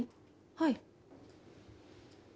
はい！